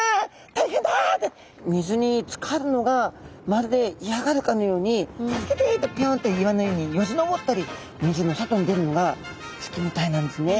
大変だ！」って水につかるのがまるで嫌がるかのように「助けて！」とぴょんと岩の上によじ登ったり水の外に出るのが好きみたいなんですね。